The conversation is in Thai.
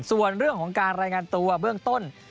ส่วนเรื่องของการรายงานตัวเบื้องต้น